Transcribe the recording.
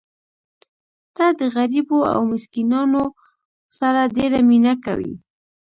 ته د غریبو او مسکینانو سره ډېره مینه کوې.